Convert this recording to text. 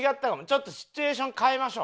ちょっとシチュエーション変えましょう。